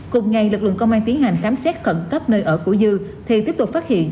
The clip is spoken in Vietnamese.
cùng ngày lực lượng công an tiến hành khám xét khẩn cấp nơi ở của dư thì tiếp tục phát hiện